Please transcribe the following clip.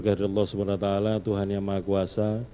kehadiran allah swt tuhan yang maha kuasa